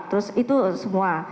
terus itu semua